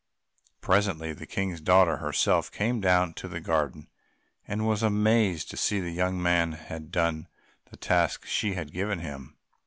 Presently the King's daughter herself came down into the garden, and was amazed to see that the young man had done the task she had given him.